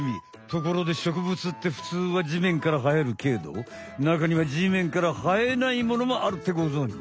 ところで植物ってふつうはじめんからはえるけど中にはじめんからはえないものもあるってごぞんじ？